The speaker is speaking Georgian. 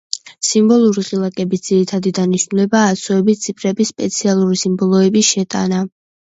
სიმბოლური ღილაკების ძირითადი დანიშნულებაა ასოების, ციფრების, სპეციალური სიმბოლოების შეტანა.